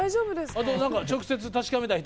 あと何か直接確かめたい人